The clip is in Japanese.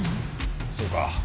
そうか。